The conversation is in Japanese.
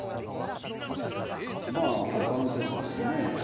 まあ股関節ですよね。